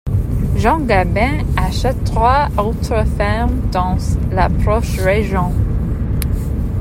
Jean Gabin achète trois autres fermes dans la proche région.